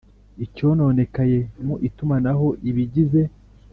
Icyononekaye mu itumanaho ibigize